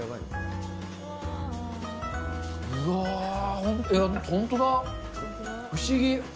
うわー、本当だ、不思議。